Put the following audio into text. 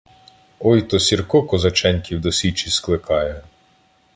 Ой то Сірко козаченьків до Січі скликає.